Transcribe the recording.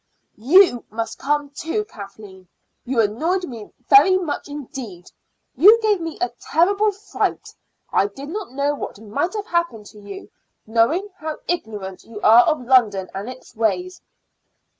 "You must come too, Kathleen. You annoyed me very much indeed. You gave me a terrible fright. I did not know what might have happened to you, knowing how ignorant you are of London and its ways."